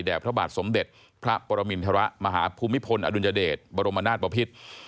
พระบาทสมเด็จพระปรมินทรมาฮภูมิพลอดุลยเดชบรมนาศปภิษ